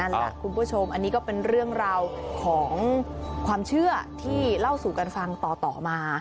แหละคุณผู้ชมอันนี้ก็เป็นเรื่องราวของความเชื่อที่เล่าสู่กันฟังต่อมา